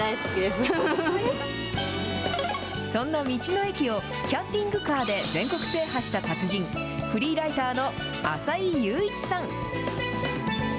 そんな道の駅を、キャンピングカーで全国制覇した達人、フリーライターの浅井佑一さん。